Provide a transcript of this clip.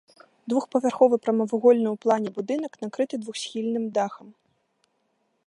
Двухпавярховы прамавугольны ў плане будынак накрыты двухсхільным дахам.